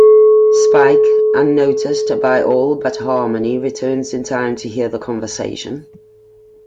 Spike, unnoticed by all but Harmony, returns in time to hear the conversation.